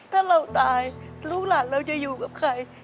ถ้าเราตายลูกหลานเราจะอยู่กับใคร